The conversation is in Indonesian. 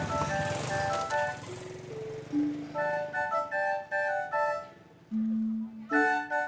kita mau ke tempat yang lebih mudah